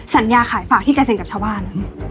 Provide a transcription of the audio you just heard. สัญญาข่ายฝากที่แกเซนกับชาวบ้าน